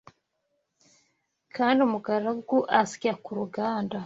kandi umugaragu asya ku ruganda